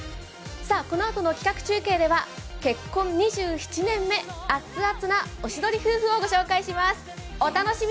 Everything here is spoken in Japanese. このあとの企画中継では結婚２７年目、アツアツなおしどり夫婦をご紹介します。